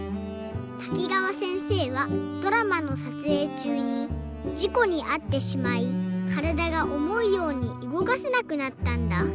滝川せんせいはドラマのさつえいちゅうにじこにあってしまいからだがおもうようにうごかせなくなったんだ。